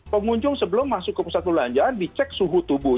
pengunjung sebelum masuk ke pusat perbelanjaan mereka harus menerima protokol kesehatan